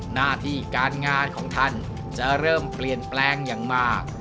หน้าที่การงานของท่านจะเริ่มเปลี่ยนแปลงอย่างมาก